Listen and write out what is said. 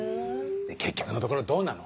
結局のところどうなの？